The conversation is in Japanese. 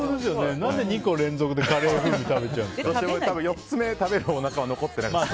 何で２個連続でカレー風味食べちゃうんですか。